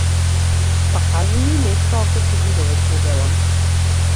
Па кажи ни нешто ако си видовит, му велам.